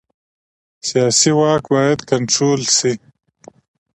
سیاسي واک باید کنټرول شي